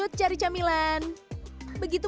uduh rosak juga capacit sama rapidement ya